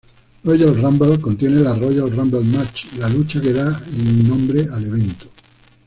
Royal Rumble contiene la Royal Rumble Match, la lucha que da nombre al evento.